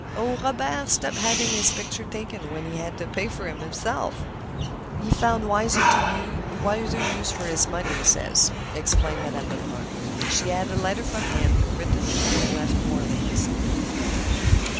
"Oh, Robert stopped having his pictures taken when he had to pay for them himself! He found wiser use for his money, he says," explained Madame Lebrun. She had a letter from him, written before he left New Orleans.